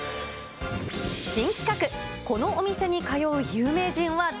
新企画、このお店に通う有名人は誰？